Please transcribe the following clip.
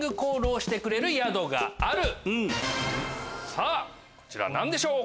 さぁこちら何でしょう？